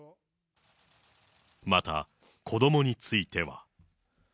また子どもについては。